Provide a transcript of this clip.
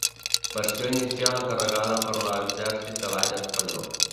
Versió inicial encarregada per l'Exèrcit de l'Aire espanyol.